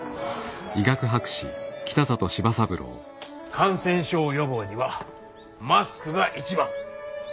感染症予防にはマスクが一番。